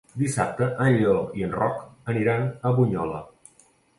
Dissabte en Lleó i en Roc aniran a Bunyola.